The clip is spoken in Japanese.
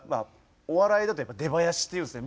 お笑いだとやっぱり出囃子っていうんですね。